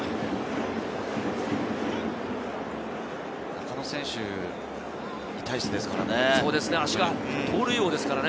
中野選手に対してですからね。